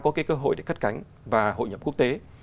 có cái cơ hội để cất cánh và hội nhập quốc tế